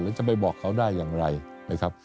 จะไปบอกเขาได้อย่างไรนะครับ